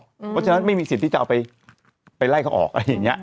เพราะฉะนั้นไม่มีสิทธิ์ที่จะเอาไปไล่เขาออกอะไรอย่างนี้